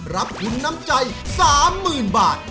รับทุนน้ำใจ๓๐๐๐บาท